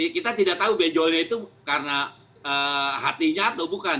kita tidak tahu benjolnya itu karena hatinya atau bukan